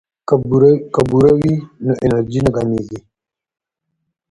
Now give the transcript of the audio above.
که بوره وي نو انرژي نه کمیږي.